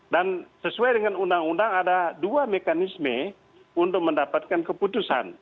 dan sesuai dengan undang undang ada dua mekanisme untuk mendapatkan keputusan